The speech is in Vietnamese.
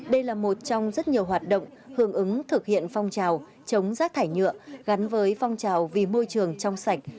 đây là một trong rất nhiều hoạt động hưởng ứng thực hiện phong trào chống rác thải nhựa gắn với phong trào vì môi trường trong sạch